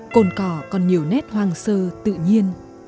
cồn cỏ còn nhiều nét hoàng sơ tự nhiên